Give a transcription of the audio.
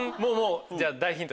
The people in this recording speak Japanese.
じゃあ大ヒント。